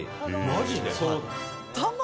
マジで？